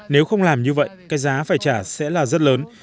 nếu không làm như vậy cái giá phải trả sẽ là rất lớn